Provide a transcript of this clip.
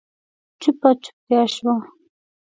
چوپه چوپتيا شوه.